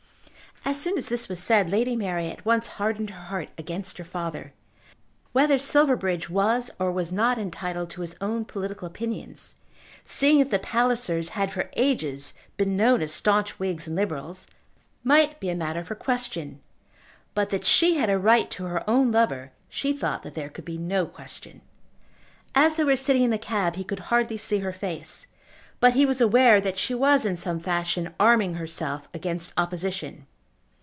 As soon as this was said Lady Mary at once hardened her heart against her father. Whether Silverbridge was or was not entitled to his own political opinions, seeing that the Pallisers had for ages been known as staunch Whigs and Liberals, might be a matter for question. But that she had a right to her own lover she thought that there could be no question. As they were sitting in the cab he could hardly see her face, but he was aware that she was in some fashion arming herself against opposition.